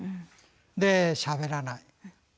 でしゃべらない。